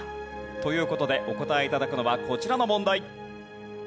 という事でお答え頂くのはこちらの問題。